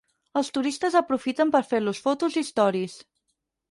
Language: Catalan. Els turistes aprofiten per fer-los fotos i storis.